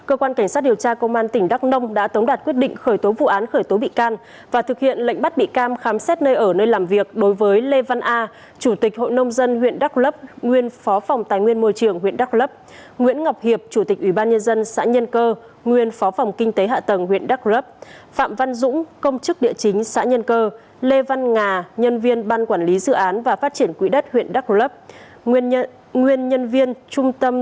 cơ quan cảnh sát điều tra công an tỉnh đắk nông đã tống đạt quyết định khởi tố vụ án khởi tố bị can và thực hiện lệnh bắt bị cam khám xét nơi ở nơi làm việc đối với lê văn a chủ tịch hội nông dân huyện đắk lấp nguyên phó phòng tài nguyên môi trường huyện đắk lấp nguyễn ngọc hiệp chủ tịch ủy ban nhân dân xã nhân cơ nguyên phó phòng kinh tế hạ tầng huyện đắk lấp phạm văn dũng công chức địa chính xã nhân cơ lê văn ngà nhân viên ban quản lý dự án và phát